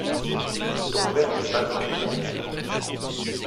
Ton père n’est pas grand.